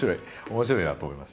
面白いなと思いました。